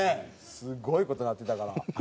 すごい事になってたから。